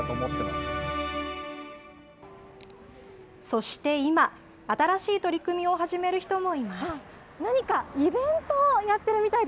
そして今、新しい取り組みを始める人もいます。